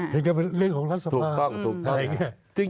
ถึงจะเป็นเรื่องของรัฐสภาถูกต้องถูกต้อง